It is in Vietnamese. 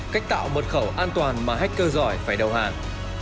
cách tạo mật khẩu an toàn mà hacker phải đầu hàng